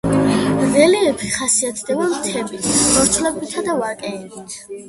რელიეფი ხასიათდება მთებით, ბორცვებითა და ვაკეებით.